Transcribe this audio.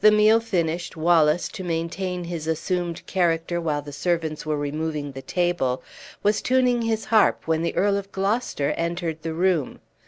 The meal finished, Wallace, to maintain his assumed character while the servants were removing the table, was tuning his harp when the Earl of Gloucester entered the room.